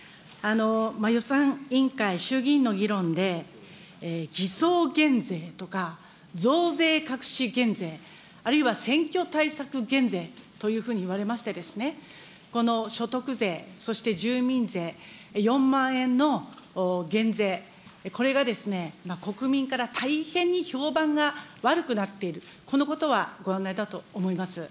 予算委員会、衆議院の議論で偽装減税とか、増税隠し減税、あるいは選挙対策減税というふうにいわれましてですね、この所得税、そして住民税、４万円の減税、これが国民から大変に評判が悪くなっている、このことはご案内だと思います。